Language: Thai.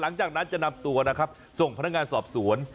หลังจากนั้นจะนำตัวนะครับส่งพนักงานสอบสวน